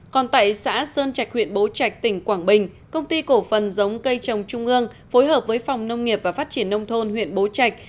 còn tại xã sơn trạch huyện bố trạch tỉnh quảng bình công ty cổ phần giống cây trồng trung ương phối hợp với phòng nông nghiệp và phát triển nông thôn huyện bố trạch